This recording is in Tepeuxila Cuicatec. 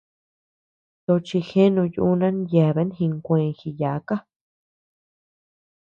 Tochi jeanu yuna yeabean jinkue jiyáka.